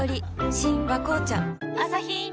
新「和紅茶」